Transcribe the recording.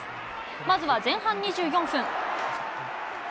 まずは前半２４分。